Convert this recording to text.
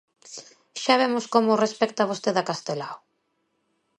Xa vemos como respecta vostede a Castelao.